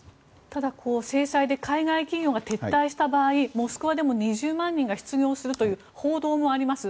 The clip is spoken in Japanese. ただ制裁で海外企業が撤退した場合モスクワでも２０万人が失業するという報道もあります。